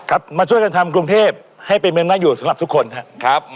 มาช่วยกันทำกรุงเทพให้เป็นเมืองน่าอยู่สำหรับทุกคนครับ